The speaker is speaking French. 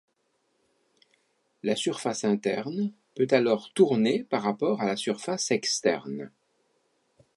La surface interne peut alors tourner par rapport à la surface externe.